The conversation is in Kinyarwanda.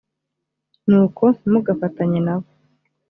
nuko ntimugafatanye na bo